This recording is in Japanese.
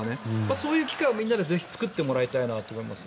そういう機会をみんなでぜひ作ってもらいたいなと思いますよ。